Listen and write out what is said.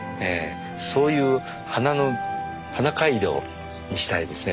そういう花の花街道にしたいですね